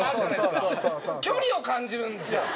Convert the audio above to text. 距離を感じるんですよ。